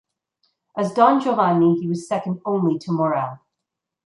As Don Giovanni he was second only to Maurel.